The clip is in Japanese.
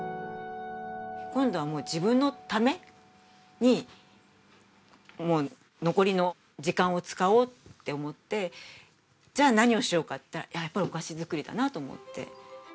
今度はもう自分のために残りの時間を使おうって思ってじゃあ何をしようかっていったらやっぱりお菓子作りだなと思って。